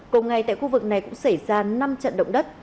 cùng ngày tại khu vực này cũng xảy ra năm trận động đất